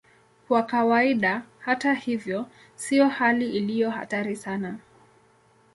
Kwa kawaida, hata hivyo, sio hali iliyo hatari sana.